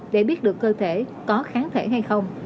để biết được cơ thể có kháng thể hay không